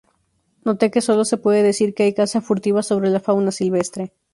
Note que solo se puede decir que hay caza furtiva sobre la fauna silvestre.